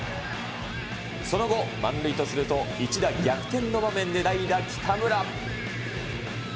その後、満塁とすると一打逆転の場面で代打、北村。